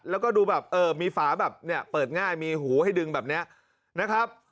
แล้วก็ดูแบบเออมีฝาแบบเนี่ยเปิดง่ายมีหูให้ดึงแบบนี้นะครับ